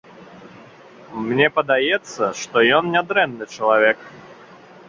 Мне падаецца, што ён нядрэнны чалавек.